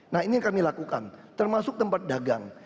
nah ini yang kami lakukan termasuk tempat dagang